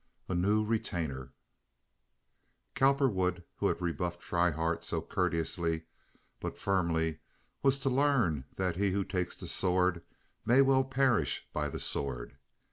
A New Retainer Cowperwood, who had rebuffed Schryhart so courteously but firmly, was to learn that he who takes the sword may well perish by the sword.